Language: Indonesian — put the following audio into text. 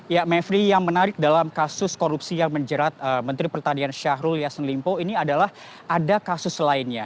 ya mevri yang menarik dalam kasus korupsi yang menjerat menteri pertanian syahrul yassin limpo ini adalah ada kasus lainnya